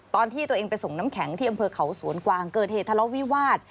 ตอนที่ตัวเองไปส่งน้ำแข็งที่อำเภอเขาสวนกวางเกิดเหตุทะเลาะวิวาส